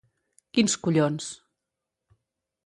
Quins collons!